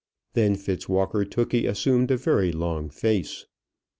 Then Fitzwalker Tookey assumed a very long face.